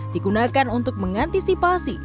di gunakan untuk mengantisipasi